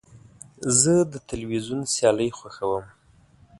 زه د تلویزیون سیالۍ خوښوم.